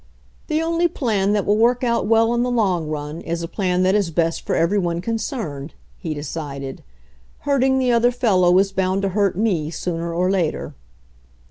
"The only plan that will work out well in the long run is a plan that is best for every one con cerned," he decided. "Hurting the other fellow is bound to hurt me sooner or later."